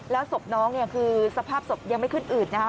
แล้วศพน้องเนี่ยคือสภาพศพยังไม่ขึ้นอืดนะคะ